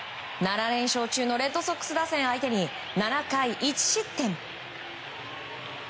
７連勝中のレッドソックス打線相手に７回１失点。